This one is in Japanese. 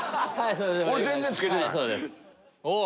俺全然つけてない。